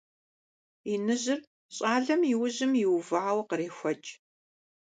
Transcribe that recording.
Иныжьыр щӀалэм и ужьым иувауэ кърехуэкӀ.